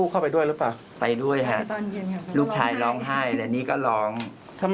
ให้มาเป็นของยาย